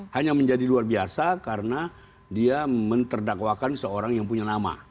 hanya menjadi luar biasa karena dia menterdakwakan seorang yang punya nama